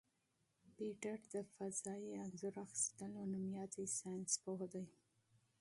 پېټټ د فضايي انځور اخیستلو مشهور ساینسپوه دی.